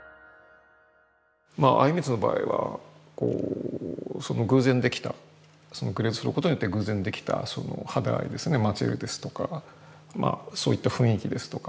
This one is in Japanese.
靉光の場合は偶然できたそのグレーズすることによって偶然できたその肌合いですねマチエールですとかそういった雰囲気ですとか。